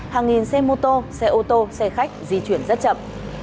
hàng nghìn xe mô tô xe ô tô xe khách di chuyển rất chậm